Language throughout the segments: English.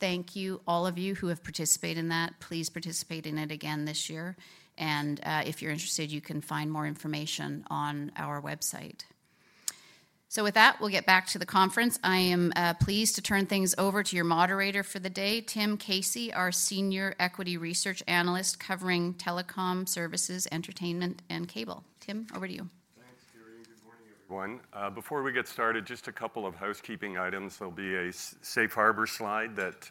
Thank you, all of you who have participated in that. Please participate in it again this year, and, if you're interested, you can find more information on our website. So with that, we'll get back to the conference. I am pleased to turn things over to your moderator for the day, Tim Casey, our senior equity research analyst covering telecom services, entertainment, and cable. Tim, over to you. Thanks, Kerry, and good morning, everyone. Before we get started, just a couple of housekeeping items. There'll be a Safe Harbor slide that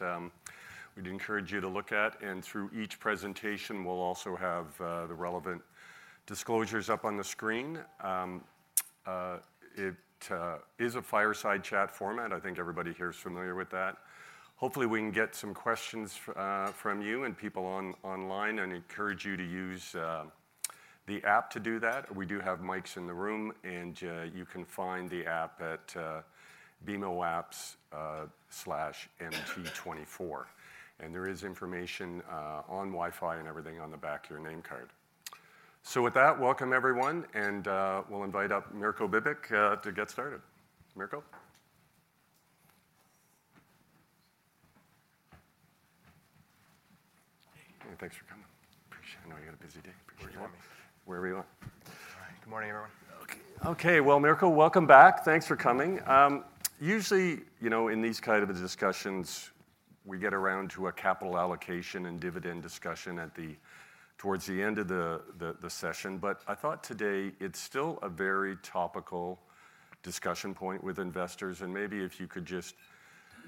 we'd encourage you to look at, and through each presentation, we'll also have the relevant disclosures up on the screen. It is a fireside chat format. I think everybody here is familiar with that. Hopefully, we can get some questions from you and people online, and encourage you to use the app to do that. We do have mics in the room, and you can find the app at BMO Apps slash MT24, and there is information on Wi-Fi and everything on the back of your name card. So with that, welcome everyone, and we'll invite up Mirko Bibic to get started. Mirko? Hey, thanks for coming. Appreciate it. I know you got a busy day. [Appreciate you coming.] Okay. Okay, well, Mirko, welcome back. Thanks for coming. Usually, you know, in these kind of discussions, we get around to a capital allocation and dividend discussion towards the end of the session, but I thought today it's still a very topical discussion point with investors, and maybe if you could just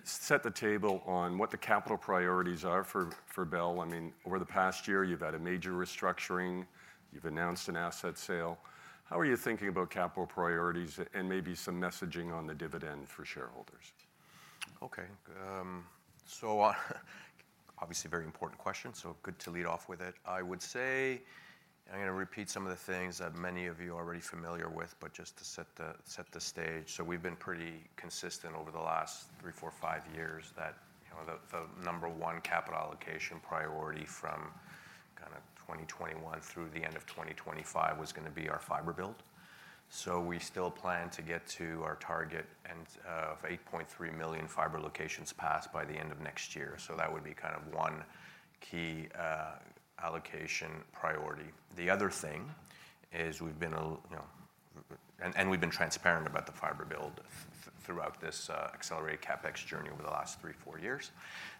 set the table on what the capital priorities are for Bell. I mean, over the past year, you've had a major restructuring, you've announced an asset sale. How are you thinking about capital priorities and maybe some messaging on the dividend for shareholders? Okay, so obviously a very important question, so good to lead off with it. I would say, I'm going to repeat some of the things that many of you are already familiar with, but just to set the stage. So we've been pretty consistent over the last three, four, five years that, you know, the number one capital allocation priority from kind of 2021 through the end of 2025 was going to be our fibre build. So we still plan to get to our target and of 8,300,000 fibre locations passed by the end of next year. So that would be kind of one key allocation priority. The other thing is we've been, you know, and we've been transparent about the fibre build throughout this accelerated CapEx journey over the last three, four years.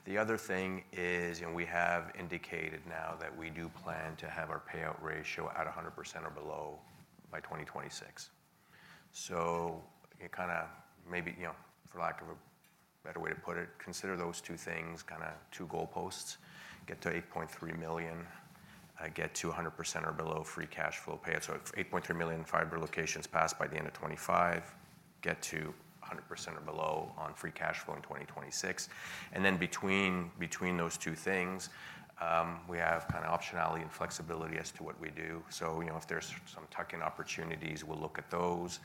The other thing is, you know, we have indicated now that we do plan to have our payout ratio at 100% or below by 2026. So it kind of maybe, you know, for lack of a better way to put it, consider those two things, kind of two goalposts: get to 8,300,000, get to 100% or below free cash flow payout. So 8,300,000 fibre locations passed by the end of 2025, get to 100% or below on free cash flow in 2026. And then between those two things, we have kind of optionality and flexibility as to what we do. So, you know, if there's some tuck-in opportunities, we'll look at those.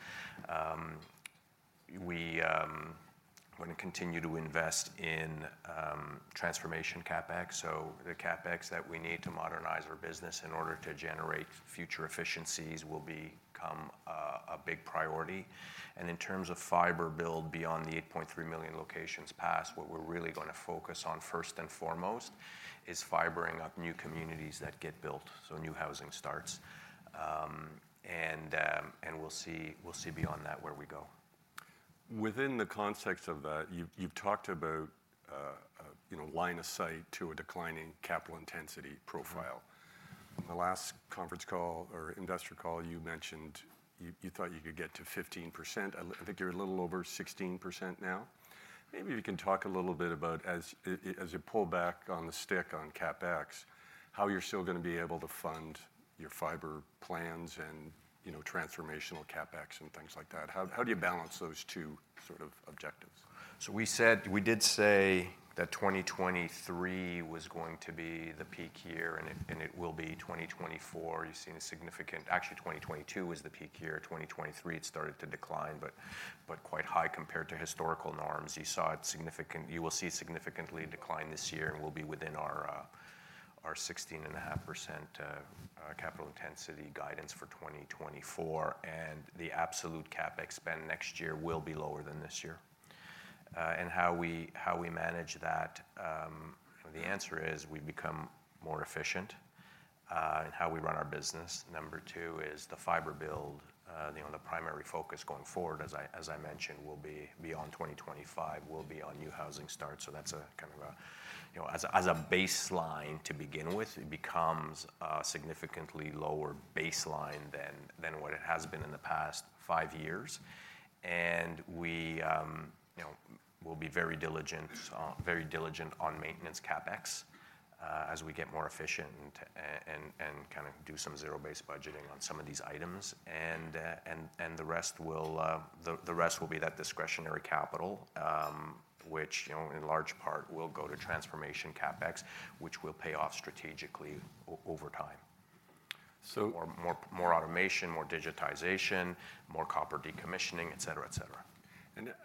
We're going to continue to invest in transformation CapEx. So the CapEx that we need to modernize our business in order to generate future efficiencies will become a big priority. And in terms of fibre build, beyond the 8,300,000 locations passed, what we're really going to focus on first and foremost is fibring-up new communities that get built, so new housing starts. We'll see, we'll see beyond that where we go. Within the context of that, you've talked about, you know, line of sight to a declining capital intensity profile. Mm-hmm. On the last conference call or investor call, you mentioned you thought you could get to 15%. I think you're a little over 16% now. Maybe you can talk a little bit about as you pull back on the stick on CapEx, how you're still going to be able to fund your fibre plans and, you know, transformational CapEx and things like that. How do you balance those two sort of objectives? We did say that 2023 was going to be the peak year, and it will be 2024. Actually, 2022 was the peak year. 2023, it started to decline, but quite high compared to historical norms. You will see a significant decline this year, and we'll be within our 16.5% capital intensity guidance for 2024, and the absolute CapEx spend next year will be lower than this year. How we manage that, the answer is we've become more efficient in how we run our business. Number two is the fibre build. You know, the primary focus going forward, as I mentioned, will be beyond 2025, will be on new housing starts. You know, as a baseline to begin with, it becomes a significantly lower baseline than what it has been in the past five years. And we, you know, we'll be very diligent on maintenance CapEx, as we get more efficient and kind of do some zero-based budgeting on some of these items. And the rest will be that discretionary capital, which, you know, in large part will go to transformation CapEx, which will pay off strategically over time. So- More, more, more automation, more digitization, more copper decommissioning, et cetera, et cetera.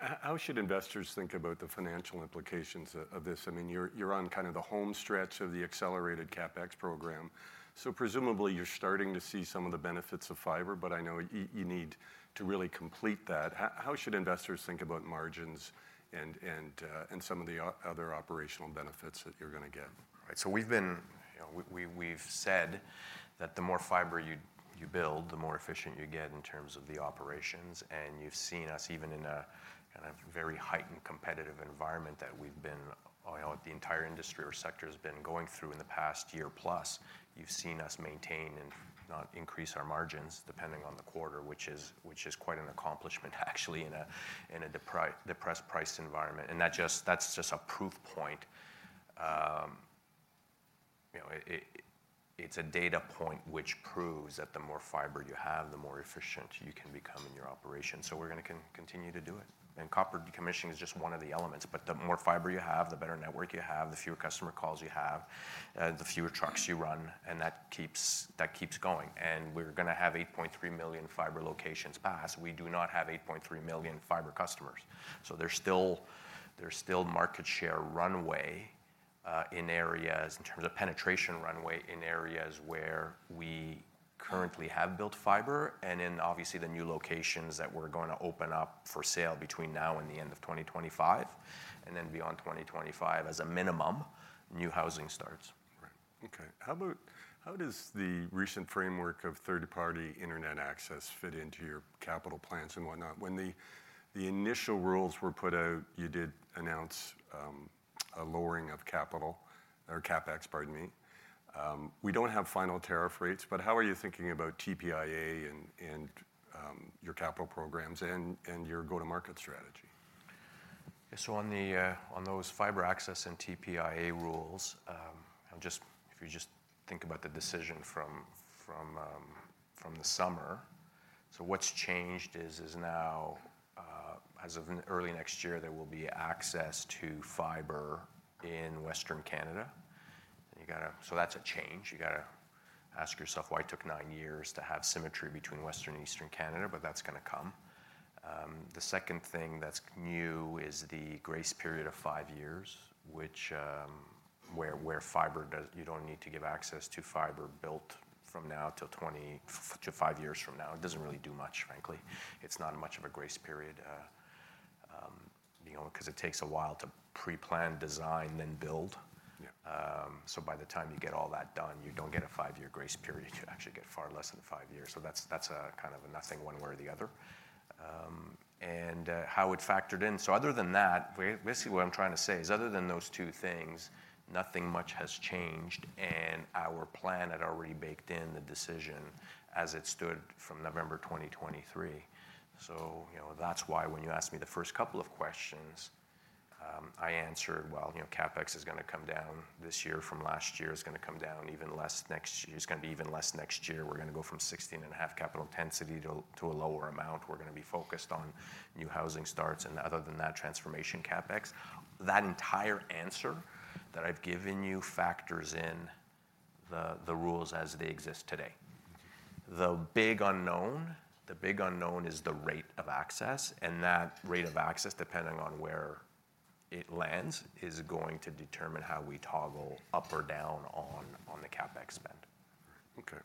How should investors think about the financial implications of this? I mean, you're on kind of the home stretch of the accelerated CapEx program, so presumably, you're starting to see some of the benefits of fibre, but I know you need to really complete that. How should investors think about margins and some of the other operational benefits that you're gonna get? Right, so we've been, you know, we've said that the more fibre you build, the more efficient you get in terms of the operations. And you've seen us, even in a kind of very heightened competitive environment, that we've been, you know, the entire industry or sector has been going through in the past year-plus. You've seen us maintain and not increase our margins, depending on the quarter, which is quite an accomplishment actually in a depressed price environment, and that's just a proof point. You know, it's a data point which proves that the more fibre you have, the more efficient you can become in your operations, so we're gonna continue to do it. Copper decommissioning is just one of the elements, but the more fibre you have, the better network you have, the fewer customer calls you have, the fewer trucks you run, and that keeps, that keeps going. We're gonna have 8,300,000 fibre locations passed. We do not have 8,300,000 fibre customers, so there's still, there's still market share runway, in areas in terms of penetration runway, in areas where we currently have built fibre and in, obviously, the new locations that we're going to open up for sale between now and the end of 2025, and then beyond 2025, as a minimum, new housing starts. Right. Okay. How about, how does the recent framework of 3rd-party internet access fit into your capital plans and whatnot? When the initial rules were put out, you did announce a lowering of capital or CapEx, pardon me. We don't have final tariff rates, but how are you thinking about TPIA and your capital programs and your go-to-market strategy? So on those fibre access and TPIA rules, I'll just. If you just think about the decision from the summer, so what's changed is now, as of early next year, there will be access to fibre in Western Canada. So that's a change. You gotta ask yourself why it took nine years to have symmetry between Western and Eastern Canada, but that's gonna come. The second thing that's new is the grace period of five years, which you don't need to give access to fibre built from now till to five years from now. It doesn't really do much, frankly. It's not much of a grace period, you know, 'cause it takes a while to pre-plan, design, then build. Yeah. By the time you get all that done, you don't get a five-year grace period. You actually get far less than five years, so that's kind of a nothing one way or the other, and how it factored in. Other than that, basically what I'm trying to say is, other than those two things, nothing much has changed, and our plan had already baked in the decision as it stood from November 2023. You know, that's why when you asked me the first couple of questions, I answered, well, you know, CapEx is gonna come down this year from last year. It's gonna come down even less next year. It's gonna be even less next year. We're gonna go from 16-and-a-half capital intensity to a lower amount. We're gonna be focused on new housing starts, and other than that, transformation CapEx. That entire answer that I've given you factors in the rules as they exist today. The big unknown is the rate of access, and that rate of access, depending on where it lands, is going to determine how we toggle up or down on the CapEx spend. Okay,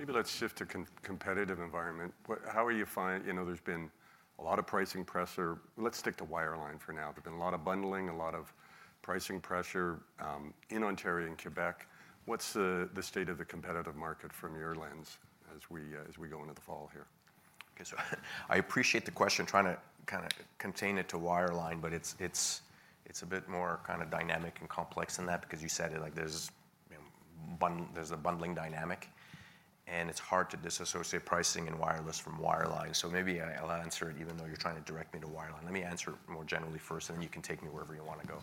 maybe let's shift to competitive environment. How are you finding... You know, there's been a lot of pricing pressure. Let's stick to wireline for now. There's been a lot of bundling, a lot of pricing pressure, in Ontario and Quebec. What's the state of the competitive market from your lens as we go into the fall here? Okay, so I appreciate the question, trying to kind of contain it to wireline, but it's a bit more kind of dynamic and complex than that because you said it, like there's, you know, there's a bundling dynamic, and it's hard to disassociate pricing in wireless from wireline. So maybe I'll answer it, even though you're trying to direct me to wireline. Let me answer it more generally first, and then you can take me wherever you want to go.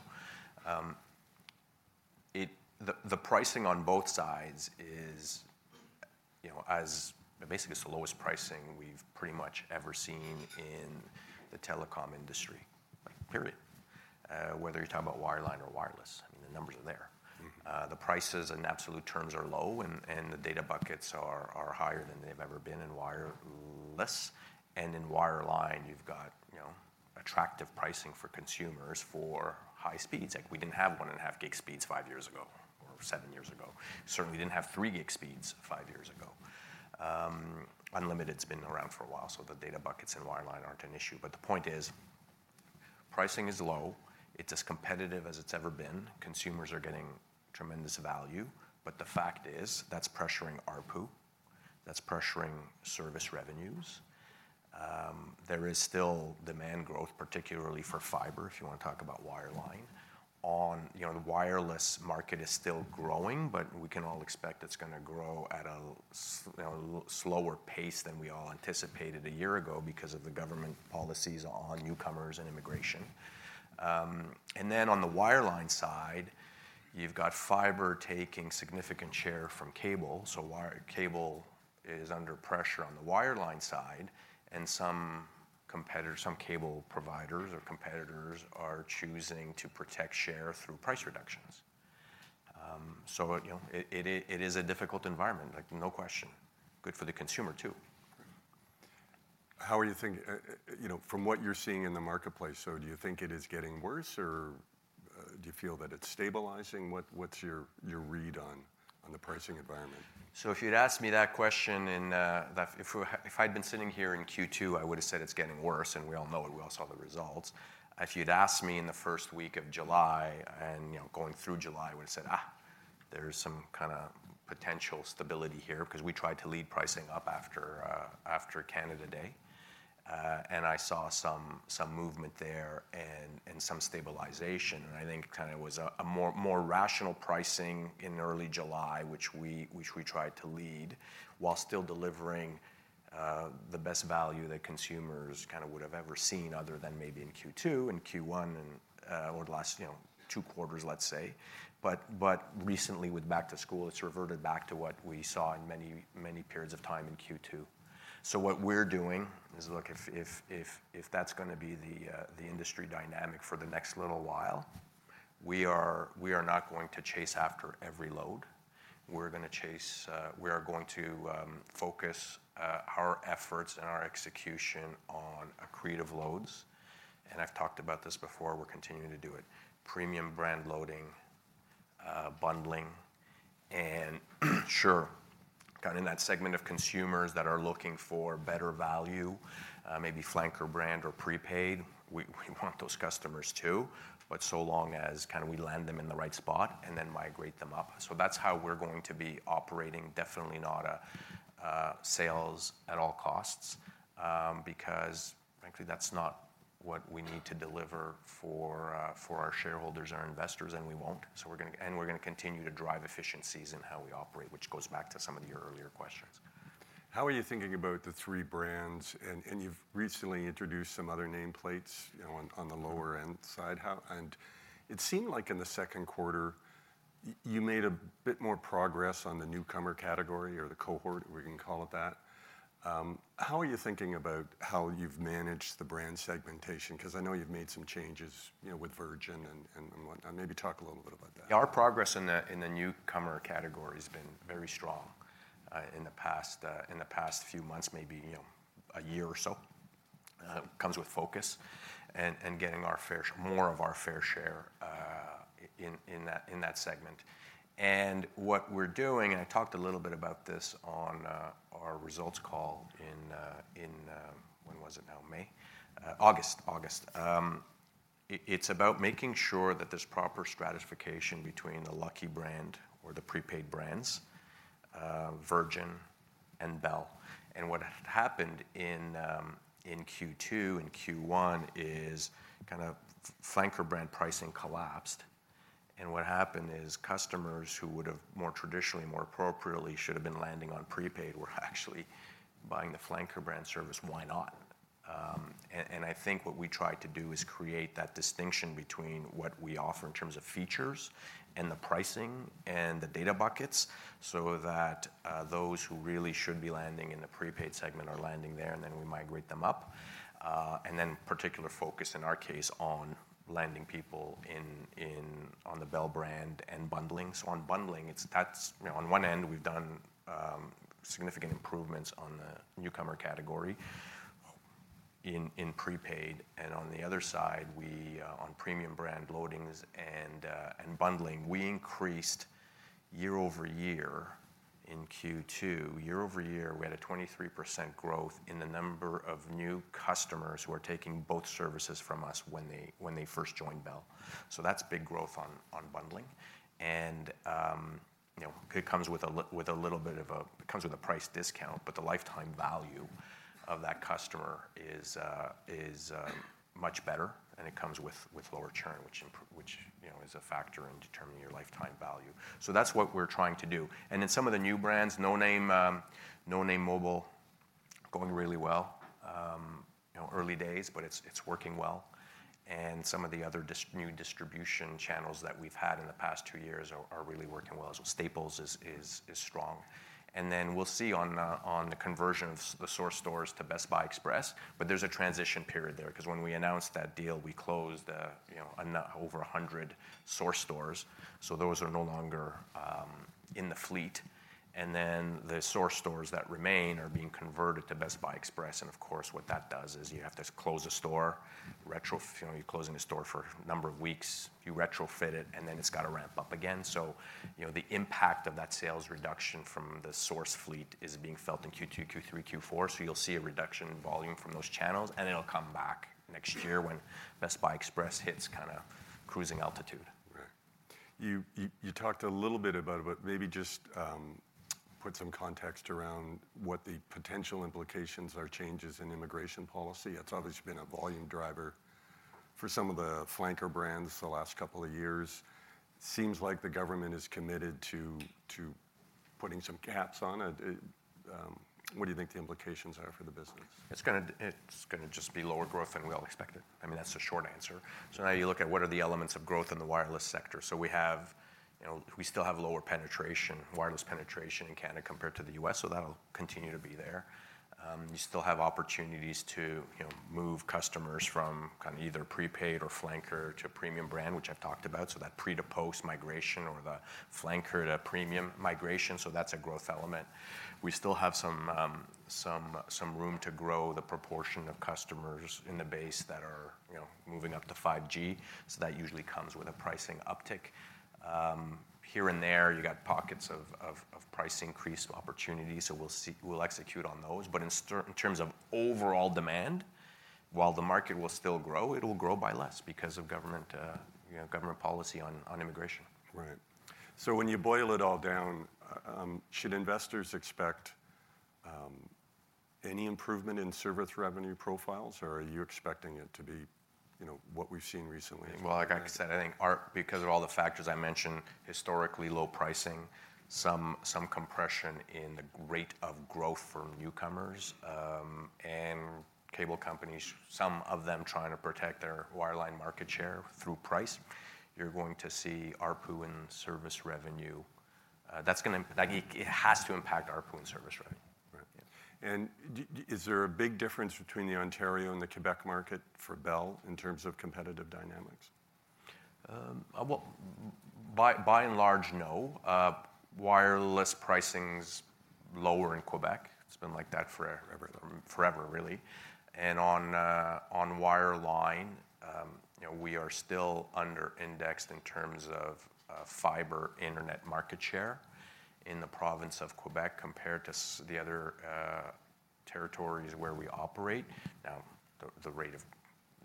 The pricing on both sides is, you know, as basically it's the lowest pricing we've pretty much ever seen in the Telecom Industry, like, period, whether you're talking about wireline or wireless, I mean, the numbers are there. Mm-hmm. The prices in absolute terms are low, and the data buckets are higher than they've ever been in wireless and in wireline, you've got, you know, attractive pricing for consumers for high speeds. Like, we didn't have 1.5 Gbps speeds five years ago or seven years ago. Certainly, we didn't have 3 Gbps speeds five years ago. Unlimited's been around for a while, so the data buckets in wireline aren't an issue, but the point is, pricing is low. It's as competitive as it's ever been. Consumers are getting tremendous value, but the fact is, that's pressuring ARPU, that's pressuring service revenues. There is still demand growth, particularly for fibre, if you want to talk about wireline. Oh, you know, the wireless market is still growing, but we can all expect it's gonna grow at a slower pace than we all anticipated a year ago because of the government policies on newcomers and immigration. And then on the wireline side, you've got fibre taking significant share from cable, so cable is under pressure on the wireline side, and some competitors, some cable providers or competitors are choosing to protect share through price reductions. So, you know, it is a difficult environment, like, no question. Good for the consumer, too. How are you thinking, you know, from what you're seeing in the marketplace, so do you think it is getting worse or? Do you feel that it's stabilizing? What's your read on the pricing environment? So if you'd asked me that question, if I'd been sitting here in Q2, I would've said it's getting worse, and we all know it. We all saw the results. If you'd asked me in the first week of July, and you know, going through July, I would've said, "Ah, there's some kind of potential stability here," 'cause we tried to lead pricing up after Canada Day. And I saw some movement there and some stabilization, and I think kind of was a more rational pricing in early July, which we tried to lead, while still delivering the best value that consumers kind of would have ever seen other than maybe in Q2 and Q1 and or the last, you know, two quarters, let's say. But recently, with back to school, it's reverted back to what we saw in many, many periods of time in Q2. So what we're doing is, look, if that's gonna be the industry dynamic for the next little while, we are not going to chase after every load. We're gonna chase. We are going to focus our efforts and our execution on accretive loads. And I've talked about this before, we're continuing to do it. Premium brand loading, bundling, and sure, kind of in that segment of consumers that are looking for better value, maybe flanker brand or prepaid, we want those customers, too, but so long as kind of we land them in the right spot and then migrate them up. So that's how we're going to be operating, definitely not a sales at all costs, because frankly, that's not what we need to deliver for our shareholders, our investors, and we won't. So we're gonna continue to drive efficiencies in how we operate, which goes back to some of your earlier questions. How are you thinking about the three brands? And you've recently introduced some other nameplates, you know, on the lower end side. It seemed like in the second quarter, you made a bit more progress on the newcomer category or the cohort, we can call it that. How are you thinking about how you've managed the brand segmentation? 'Cause I know you've made some changes, you know, with Virgin and what not. Maybe talk a little bit about that. Our progress in the newcomer category has been very strong in the past few months, maybe, you know, a year or so. It comes with focus and getting our fair share in that segment. What we're doing, I talked a little bit about this on our results call in, when was it now? May. August. August. It's about making sure that there's proper stratification between the Lucky brand or the prepaid brands, Virgin and Bell. What had happened in Q2 and Q1 is kind of flanker brand pricing collapsed. What happened is customers who would've more traditionally, more appropriately should have been landing on prepaid were actually buying the flanker brand service. Why not? I think what we tried to do is create that distinction between what we offer in terms of features, and the pricing, and the data buckets, so that those who really should be landing in the prepaid segment are landing there, and then we migrate them up. And then particular focus, in our case, on landing people in on the Bell brand and bundling. So on bundling, that's, you know, on one end, we've done significant improvements on the newcomer category in prepaid, and on the other side, we on premium brand loadings and bundling, we increased year-over-year in Q2. Year-over-year, we had a 23% growth in the number of new customers who are taking both services from us when they first joined Bell. So that's big growth on bundling, and you know, it comes with a little bit of a price discount, but the lifetime value of that customer is much better, and it comes with lower churn, which you know, is a factor in determining your lifetime value. So that's what we're trying to do. And in some of the new brands, No Name Mobile, going really well. You know, early days, but it's working well. And some of the other new distribution channels that we've had in the past two years are really working well. So Staples is strong. And then we'll see on the conversion of The Source stores to Best Buy Express, but there's a transition period there, 'cause when we announced that deal, we closed, you know, not over 100 Source stores, so those are no longer in the fleet. And then The Source stores that remain are being converted to Best Buy Express, and of course, what that does is you have to close a store, you know, you're closing a store for a number of weeks, you retrofit it, and then it's got to ramp up again. So, you know, the impact of that sales reduction from The Source fleet is being felt in Q2, Q3, Q4, so you'll see a reduction in volume from those channels, and it'll come back next year when Best Buy Express hits kind of cruising altitude. Right. You talked a little bit about it, but maybe just put some context around what the potential implications are, changes in immigration policy. It's obviously been a volume driver for some of the flanker brands the last couple of years. Seems like the government is committed to putting some caps on it. It... What do you think the implications are for the business? It's gonna just be lower growth, and we all expect it. I mean, that's the short answer. So now you look at what are the elements of growth in the wireless sector. So we have, you know, we still have lower penetration, wireless penetration in Canada compared to the U.S., so that'll continue to be there. You still have opportunities to, you know, move customers from kind of either prepaid or flanker to a premium brand, which I've talked about, so that pre to post migration or the flanker to premium migration, so that's a growth element. We still have some room to grow the proportion of customers in the base that are, you know, moving up to 5G, so that usually comes with a pricing uptick. Here and there, you got pockets of price increase opportunities, so we'll see—we'll execute on those. But in terms of overall demand, while the market will still grow, it'll grow by less because of government, you know, government policy on immigration. Right. So when you boil it all down, should investors expect any improvement in service revenue profiles, or are you expecting it to be, you know, what we've seen recently? Well, like I said, I think because of all the factors I mentioned, historically low pricing, some compression in the rate of growth for newcomers, and cable companies, some of them trying to protect their wireline market share through price. You're going to see ARPU and service revenue, that's gonna like, it has to impact ARPU and service revenue. Right. And is there a big difference between the Ontario and the Quebec market for Bell in terms of competitive dynamics? Well, by and large, no. Wireless pricing's lower in Quebec. It's been like that for forever, really. And on wireline, you know, we are still under-indexed in terms of fibre internet market share in the province of Quebec, compared to the other territories where we operate. Now, the rate of,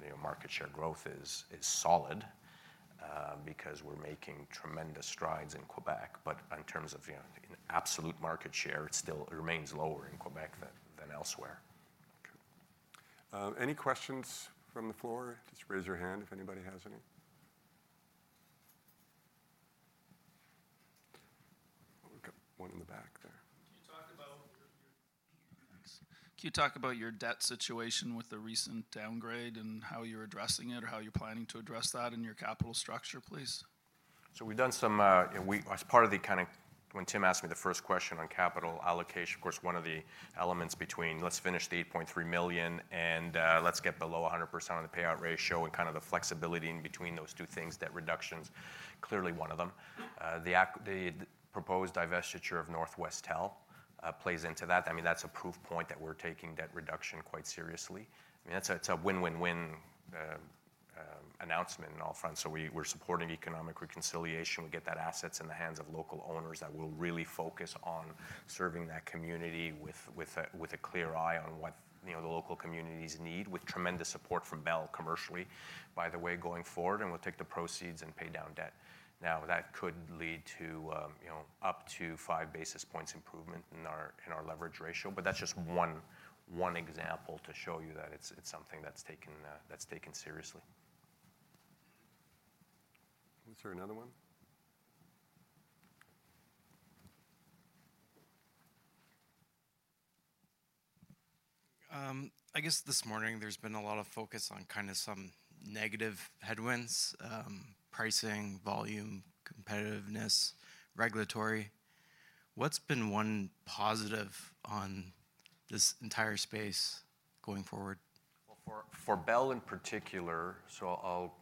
you know, market share growth is solid, because we're making tremendous strides in Quebec. But in terms of, you know, in absolute market share, it still remains lower in Quebec than elsewhere. Okay. Any questions from the floor? Just raise your hand if anybody has any. We've got one in the back there. Can you talk about your debt situation with the recent downgrade, and how you're addressing it, or how you're planning to address that in your capital structure, please? So we've done some. We, as part of the kind of when Tim asked me the first question on capital allocation, of course, one of the elements between let's finish the 8.3 million and let's get below 100% on the payout ratio, and kind of the flexibility in between those two things, debt reduction's clearly one of them. The proposed divestiture of Northwestel plays into that. I mean, that's a proof point that we're taking debt reduction quite seriously. I mean, that's a, it's a win-win-win announcement on all fronts. So we're supporting economic reconciliation. We get that assets in the hands of local owners that will really focus on serving that community with a clear eye on what, you know, the local communities need, with tremendous support from Bell commercially, by the way, going forward, and we'll take the proceeds and pay down debt. Now, that could lead to, you know, up to five basis points improvement in our leverage ratio, but that's just one example to show you that it's something that's taken seriously. Is there another one? I guess this morning there's been a lot of focus on kind of some negative headwinds: pricing, volume, competitiveness, regulatory. What's been one positive on this entire space going forward? For Bell in particular, so I'll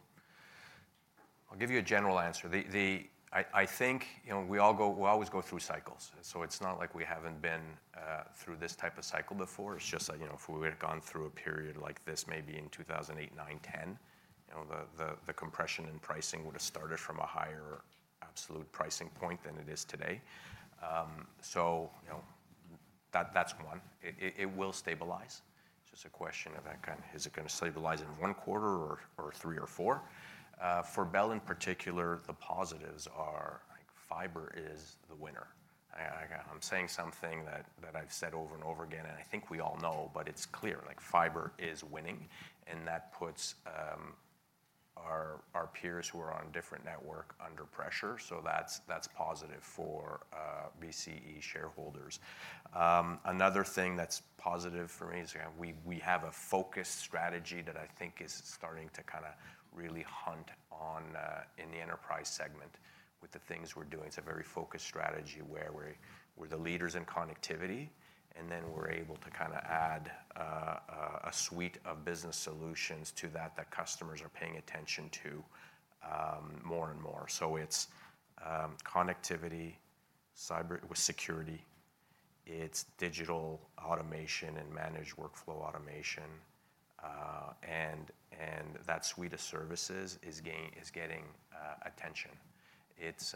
give you a general answer. I think, you know, we all go through cycles, so it's not like we haven't been through this type of cycle before. It's just that, you know, if we had gone through a period like this maybe in 2008, 2009, 2010, you know, the compression in pricing would've started from a higher absolute pricing point than it is today. So you know, that's one. It will stabilize. It's just a question of that kind, is it gonna stabilize in one quarter or three or four? For Bell in particular, the positives are, like, fibre is the winner. I'm saying something that I've said over and over again, and I think we all know, but it's clear, like, fibre is winning and that puts our peers who are on a different network under pressure, so that's positive for BCE shareholders. Another thing that's positive for me is, yeah, we have a focused strategy that I think is starting to kind of really hunt on in the enterprise segment with the things we're doing. It's a very focused strategy, where we're the leaders in connectivity, and then we're able to kind of add a suite of business solutions to that that customers are paying attention to more and more. So it's Connectivity, Cyber with Security, it's Digital Automation and Managed Workflow Automation, and that suite of services is getting attention. It's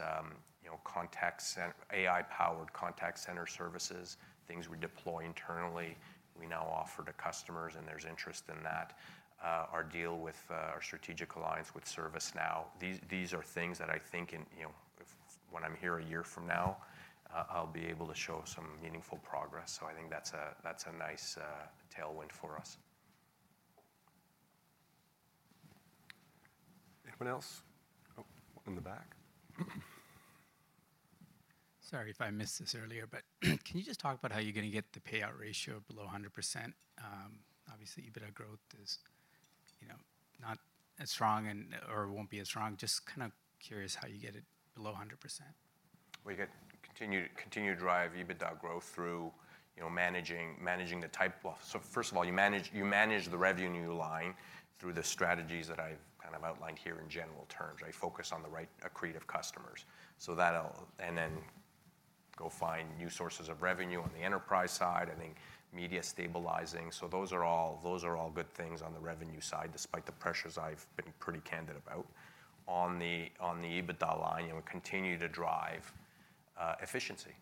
you know, contact center, AI-powered contact center services, things we deploy internally, we now offer to customers, and there's interest in that. Our strategic alliance with ServiceNow, these are things that I think you know, when I'm here a year from now, I'll be able to show some meaningful progress. I think that's a nice tailwind for us. Anyone else? Oh, in the back. Sorry if I missed this earlier, but can you just talk about how you're gonna get the payout ratio below 100%? Obviously, EBITDA growth is, you know, not as strong and or won't be as strong. Just kind of curious how you get it below 100%? We're gonna continue to drive EBITDA growth through, you know, managing... Well, so first of all, you manage the revenue line through the strategies that I've kind of outlined here in general terms. I focus on the right accretive customers. So that'll... And then go find new sources of revenue on the enterprise side, I think media stabilizing. So those are all good things on the revenue side, despite the pressures I've been pretty candid about. On the EBITDA line, you know, we continue to drive efficiency.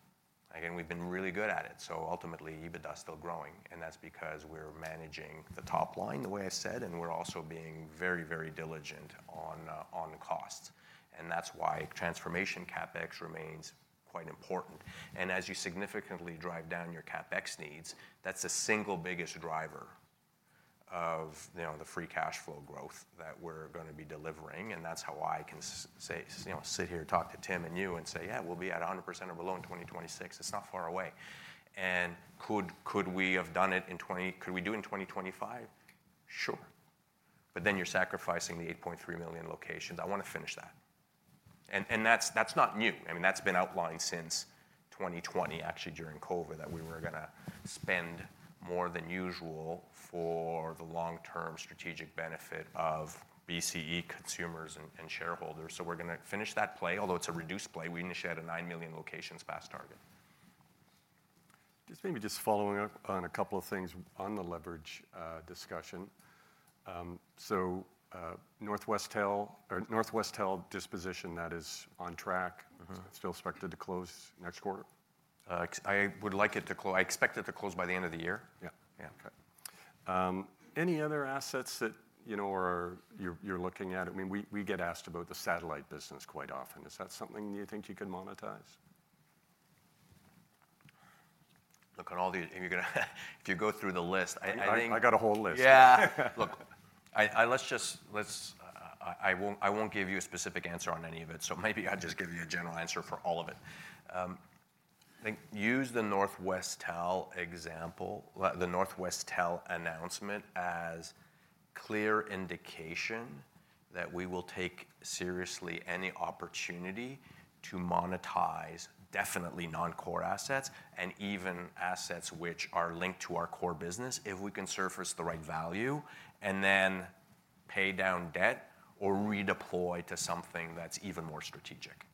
Again, we've been really good at it, so ultimately, EBITDA is still growing, and that's because we're managing the top line, the way I said, and we're also being very, very diligent on costs, and that's why transformation CapEx remains quite important. As you significantly drive down your CapEx needs, that's the single biggest driver of, you know, the free cash flow growth that we're gonna be delivering, and that's how I can say, you know, sit here and talk to Tim and you and say, "Yeah, we'll be at 100% or below in 2026." It's not far away. Could we have done it in 2025? Sure, but then you're sacrificing the 8,300,000 locations. I wanna finish that. And that's not new, I mean, that's been outlined since 2020, actually, during COVID, that we were gonna spend more than usual for the long-term strategic benefit of BCE consumers and shareholders. So we're gonna finish that play, although it's a reduced play. We initially had a 9,000,000 locations pass target. Just maybe following up on a couple of things on the leverage discussion. Northwestel disposition, that is on track- Mm-hmm. Still expected to close next quarter? I expect it to close by the end of the year. Yeah. Yeah. Okay. Any other assets that, you know, are... You're looking at? I mean, we get asked about the Satellite business quite often. Is that something you think you could monetize? Look, at all the... If you're gonna, if you go through the list, I think- I got a whole list. Yeah. Look, let's just, I won't give you a specific answer on any of it, so maybe I'll just give you a general answer for all of it. I think use the Northwestel example, well, the Northwestel announcement as clear indication that we will take seriously any opportunity to monetize definitely non-core assets and even assets which are linked to our core business if we can surface the right value, and then pay down debt or redeploy to something that's even more strategic.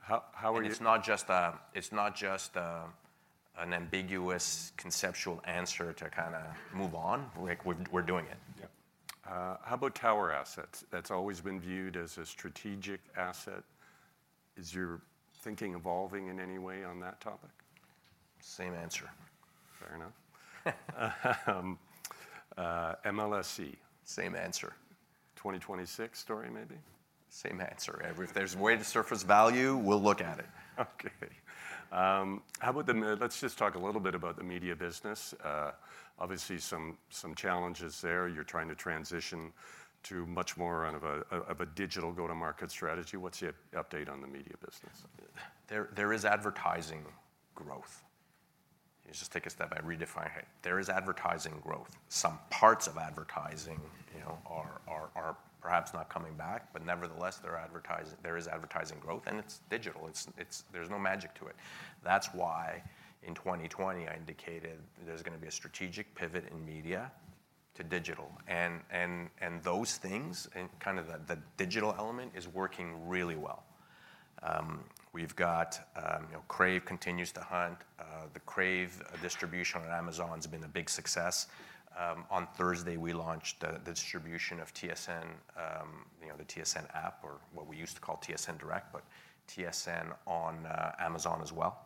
How are you? It's not just an ambiguous conceptual answer to kinda move on. Like, we're doing it. Yeah. How about tower assets? That's always been viewed as a strategic asset. Is your thinking evolving in any way on that topic? Same answer. Fair enough. MLSE? Same answer. 2026 story, maybe? Same answer. If there's a way to surface value, we'll look at it. Okay. How about let's just talk a little bit about the media business. Obviously some challenges there. You're trying to transition to much more of a digital go-to-market strategy. What's the update on the media business? There is advertising growth. Let's just take a step back, redefine it. There is advertising growth. Some parts of advertising, you know, are perhaps not coming back, but nevertheless, there is advertising growth, and it's digital. It's, there's no magic to it. That's why in 2020, I indicated that there's gonna be a strategic pivot in media to digital. And those things, and kind of the digital element, is working really well. We've got, you know, Crave continues to hunt. The Crave distribution on Amazon's been a big success. On Thursday, we launched the distribution of TSN, you know, the TSN app, or what we used to call TSN Direct, but TSN on Amazon as well.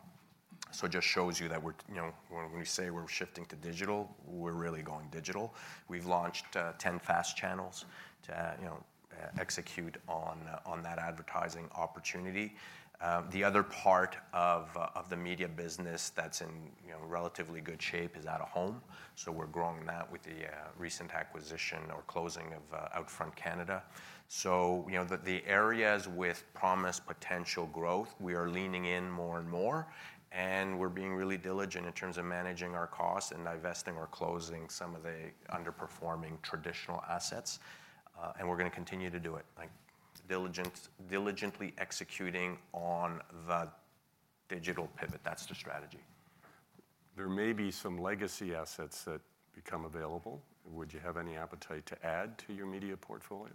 So just shows you that we're, you know, when we say we're shifting to digital, we're really going digital. We've launched 10 FAST channels to, you know, execute on that advertising opportunity. The other part of the media business that's in, you know, relatively good shape is out-of-home. So we're growing that with the recent acquisition or closing of OUTFRONT Canada. So, you know, the areas with promised potential growth, we are leaning in more and more, and we're being really diligent in terms of managing our costs and divesting or closing some of the underperforming traditional assets. And we're gonna continue to do it, like diligently executing on the digital pivot. That's the strategy. There may be some legacy assets that become available. Would you have any appetite to add to your media portfolio?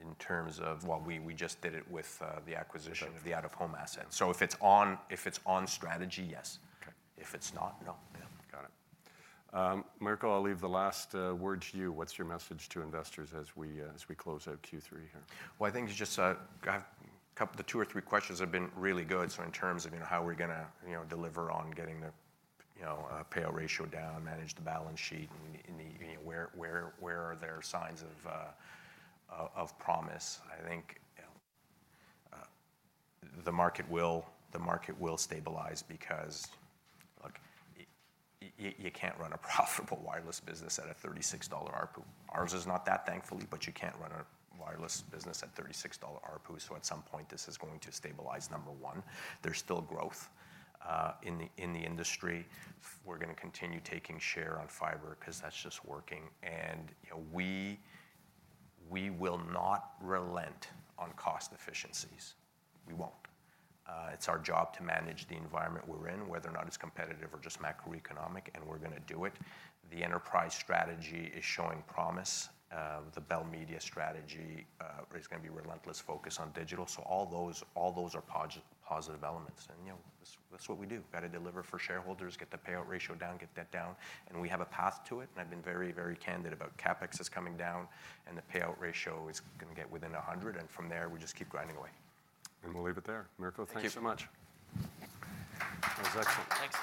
In terms of... Well, we just did it with the acquisition- Okay... of the out-of-home asset. So if it's on strategy, yes. Okay. If it's not, no. Yeah, got it. Mirko, I'll leave the last word to you. What's your message to investors as we close out Q3 here? The two or three questions have been really good. In terms of, you know, how we're gonna, you know, deliver on getting the, you know, payout ratio down, manage the balance sheet, and, you know, where are there signs of promise? I think, you know, the market will stabilize because, look, you can't run a profitable wireless business at a $36 ARPU. Ours is not that, thankfully, but you can't run a wireless business at $36 ARPU, so at some point, this is going to stabilize, number one. There's still growth in the industry. We're gonna continue taking share on fibre 'cause that's just working. You know, we will not relent on cost efficiencies. We won't. It's our job to manage the environment we're in, whether or not it's competitive or just macroeconomic, and we're gonna do it. The enterprise strategy is showing promise. The Bell Media strategy, there's gonna be relentless focus on digital. So all those are positive elements, and, you know, that's what we do. We've got to deliver for shareholders, get the payout ratio down, get debt down, and we have a path to it, and I've been very, very candid about CapEx is coming down, and the payout ratio is gonna get within 100, and from there, we just keep grinding away. We'll leave it there. Mirko, thank you so much. Thank you. That was excellent. Thanks.